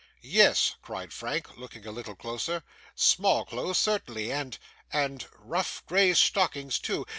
'Yes,' cried Frank, looking a little closer. 'Small clothes certainly, and and rough grey stockings, too.